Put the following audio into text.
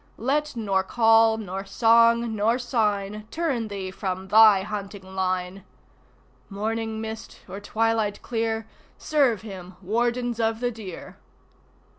Let nor call nor song nor sign Turn thee from thy hunting line. (Morning mist or twilight clear, Serve him, Wardens of the Deer!)